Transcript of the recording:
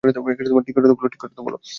ঠিক করে তো বলো।